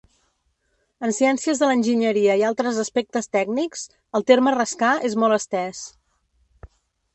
En ciències de l'enginyeria i altres aspectes tècnics, el terme rascar és molt estès.